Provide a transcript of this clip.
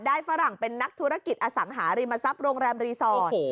ฝรั่งเป็นนักธุรกิจอสังหาริมทรัพย์โรงแรมรีสอร์ท